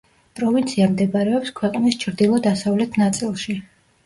პროვინცია მდებარეობს ქვეყნის ჩრდილო-დასავლეთ ნაწილში.